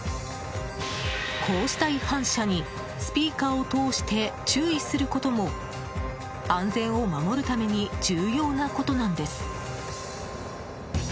こうした違反者にスピーカーを通して注意することも安全を守るために重要なことなんです。